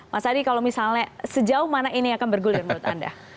mas adi kalau misalnya sejauh mana ini akan bergulir menurut anda